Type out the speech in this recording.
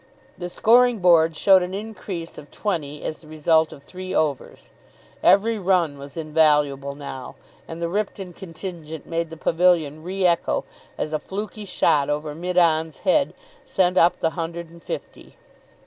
The scoring board showed an increase of twenty as the result of three overs. Every run was invaluable now, and the Ripton contingent made the pavilion re echo as a fluky shot over mid on's head sent up the hundred and fifty.